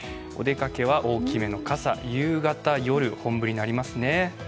お出かけは大きめの傘、夕方、夜、本降りになりますね。